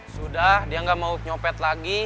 sudah dia nggak mau nyopet lagi